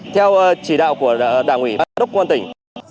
theo chỉ đạo của đảng ủy ban đốc công an tỉnh